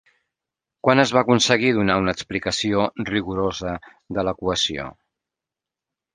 Quan es va aconseguir donar una explicació rigorosa de l'equació?